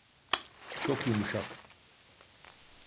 Çok yumuşak.